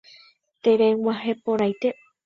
Tereg̃uahẽporãite